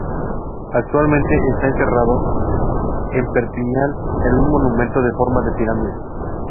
Actualmente está enterrado en Perpiñán, en un monumento en forma de pirámide.